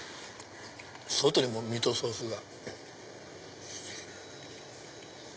外にもミートソースが。